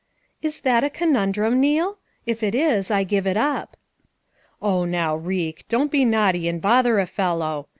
"Is that a conundrum, Neal? If it is, I give it up." "Oh, now, Reek, don't be naughty and bother a fellow.